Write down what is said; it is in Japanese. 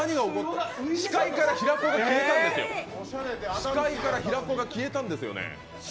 視界から平子が消えたんですよね。